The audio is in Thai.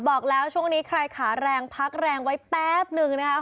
บอกแล้วช่วงนี้ใครขาแรงพักแรงไว้แป๊บนึงนะครับ